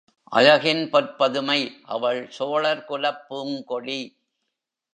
அழகின் பொற்பதுமை அவள் சோழர் குலப்பூங் கொடி.